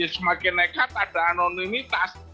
semakin nekat ada anonimitas